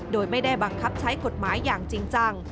โดยไม่ได้บังคับใช้กฎหมายอย่างจริงจัง